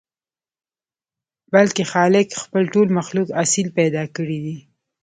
بلکې خالق خپل ټول مخلوق اصيل پيدا کړي دي.